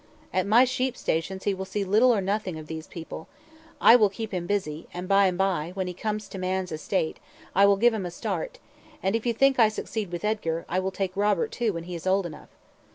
"At my sheep stations he will see little or nothing of these people. I will keep him busy, and by and by, when he comes to man's estate, I will give him a start; and if you think I succeed with Edgar, I will take Robert, too, when he is old enough."